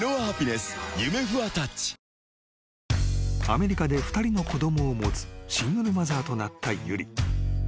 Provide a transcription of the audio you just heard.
［アメリカで２人の子供を持つシングルマザーとなった有理］